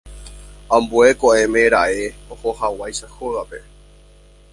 Ambue ko'ẽme raẽ ohohag̃uáicha hógape.